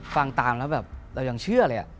ฟังตามแล้วแบบเรายังเชื่อเลย